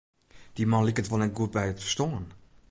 Dy man liket wol net goed by it ferstân.